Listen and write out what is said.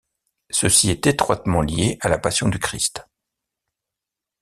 Ceci est étroitement lié à la Passion du Christ.